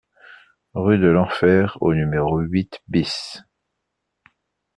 Rue de l'Enfer au numéro huit BIS